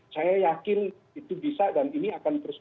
saya yakin itu bisa dan ini akan terus